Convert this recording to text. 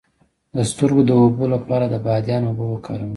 د سترګو د اوبو لپاره د بادیان اوبه وکاروئ